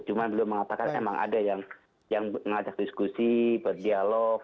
cuman belum mengatakan emang ada yang mengajak diskusi berdialog